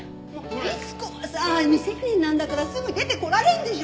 逸子はさ未成年なんだからすぐ出てこられるでしょ！